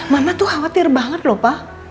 mama tuh khawatir banget lho pa